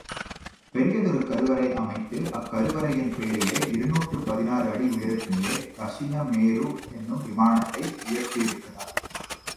பெரியதொரு கருவறை அமைத்து அக்கருவறையின் பேரிலே இருநூற்று பதினாறு அடி உயரத்திலே தக்ஷிண மேரு என்னும் விமானத்தை உயர்த்தியிருக்கிறான்.